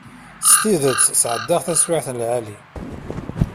S tidet sεeddaɣ taswiεt n lεali.